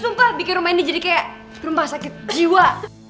suka bikin rumah ini jadi kayak rumah sakit jiwa